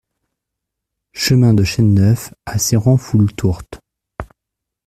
Chemin de Chêne Neuf à Cérans-Foulletourte